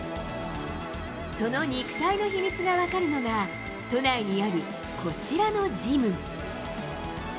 その肉体の秘密が分かるのが、都内にあるこちらのジム。